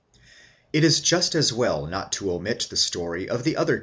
. Ir is just as well not to omit the story of the other cnap.